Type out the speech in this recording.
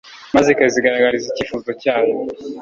maze ikayigaragariza icyifuzo cyayo